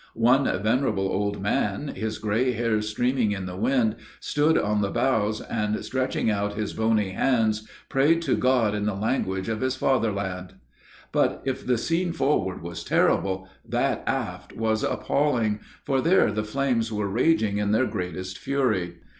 One venerable old man, his gray hairs streaming on the wind, stood on the bows, and, stretching out his bony hands, prayed to God in the language of his father land. "But if the scene forward was terrible, that aft was appalling, for there the flames were raging in their greatest fury.